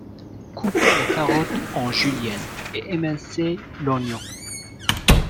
Couper les carottes en julienne et émincer l’oignon.